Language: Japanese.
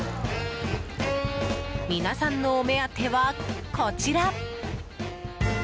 皆さんのお目当ては、こちら。